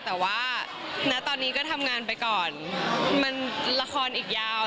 แต่ว่าณตอนนี้ก็ทำงานไปก่อนมันละครอีกยาว